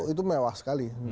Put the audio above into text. itu mewah sekali